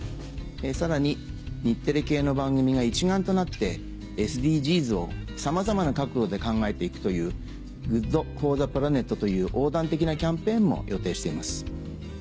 さらに日テレ系の番組が一丸となってＳＤＧｓをさまざまな角度で考えて行くという「グッドフォーザプラネット」という横断的なキャンペーンも予定しています。